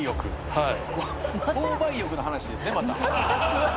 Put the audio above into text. はい。